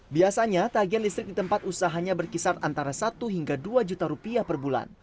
biasanya tagihan listrik di tempat usahanya berkisar antara satu hingga dua juta rupiah per bulan